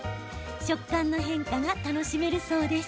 食感の変化が楽しめるそうです。